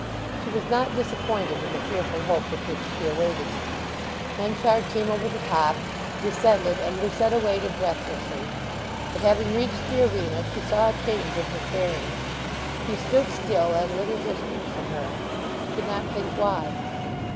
She was not disappointed in the fearful hope with which she awaited him. Henchard came over the top, descended and Lucetta waited breathlessly. But having reached the arena she saw a change in his bearing: he stood still at a little distance from her; she could not think why.